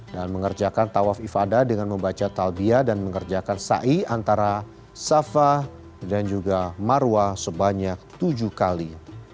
dan mengerjakan tawaf ifadah dengan membaca talbiah dan mengerjakan sa'i antara safah dan juga marwah sebanyak tujuh kali